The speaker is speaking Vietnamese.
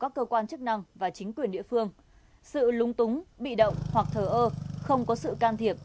công tác chức năng và chính quyền địa phương sự lúng túng bị động hoặc thờ ơ không có sự can thiệp